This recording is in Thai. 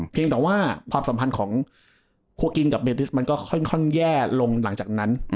เพียงแต่ว่าความสัมพันธ์ของโคกินกับเบดิสมันก็ค่อนข้างแย่ลงหลังจากนั้น